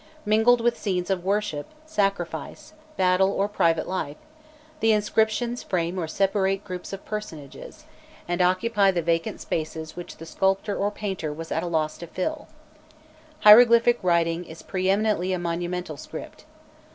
Mingled with scenes of worship, sacrifice, battle, or private life, the inscriptions frame or separate groups of personages, and occupy the vacant spaces which the sculptor or painter was at a loss to fill; hieroglyphic writing is pre eminently a monumental script.